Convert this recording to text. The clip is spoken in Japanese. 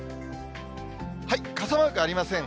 傘マークありません。